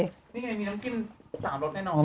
นี่ไงมีน้ำจิ้ม๓รสแน่นอน